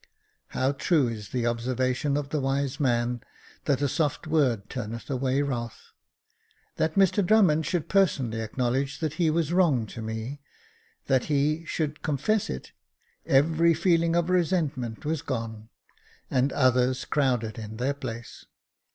How true is the observation of the wise man, that a soft word turneth away wrath ; that Mr Drummond should personally acknowledge that he was wrong to me — that he should confess it — every feeling of resentment was gone, and others crowded in their place.